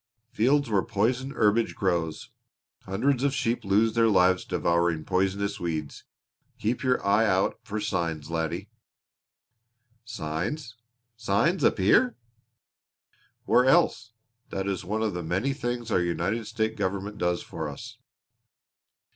"Fields where poison herbage grows. Hundreds of sheep lose their lives devouring poisonous weeds. Keep your eye out for signs, laddie." "Signs! Signs up here!" "Where else? That is one of the many things our United States government does for us.